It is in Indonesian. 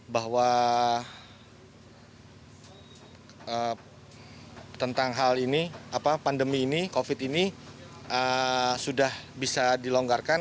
bahwa tentang hal ini pandemi ini covid ini sudah bisa dilonggarkan